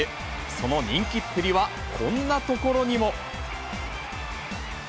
その人気っぷりはこんなところにも。